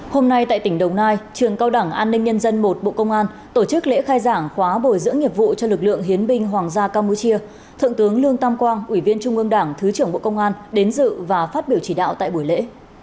hôm nay tại tỉnh đồng nai trường cao đảng an ninh nhân dân một bộ công an tổ chức lễ khai giảng khóa bồi dưỡng nghiệp vụ cho lực lượng hiến binh hoàng gia campuchia thượng tướng lương tam quang ủy viên trung ương đảng thứ trưởng bộ công an đến dự và phát biểu chỉ đạo tại buổi lễ